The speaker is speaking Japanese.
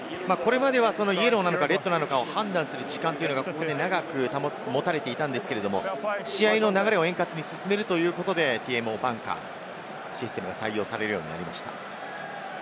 これまでは、イエローなのかレッドなのか、判断する時間は長く持たれていたんですけど、試合の流れを円滑に進めるためにＴＭＯバンカーシステムが採用されるようになりました。